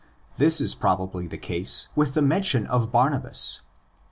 This is probably the case with the mention of Barnabas (iv.